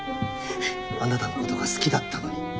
あなたのことが好きだったのに。